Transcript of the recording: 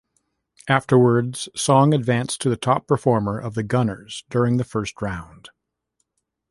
Afterwards Song advanced to the top performer of the Gunners during the first round.